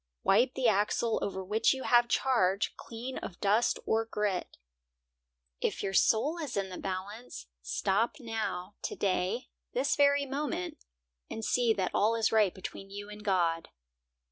Wipe the axle over which you have charge, clean of dust or grit. If your soul is in the balance, stop now, today, this very moment, and see that all is right between you and God.